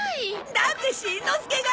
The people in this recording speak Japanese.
だってしんのすけが！